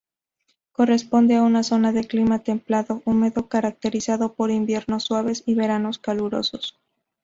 Corresponde a una zona de clima templado-húmedo caracterizado por inviernos suaves y veranos calurosos.